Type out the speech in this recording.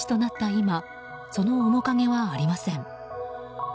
今その面影はありません。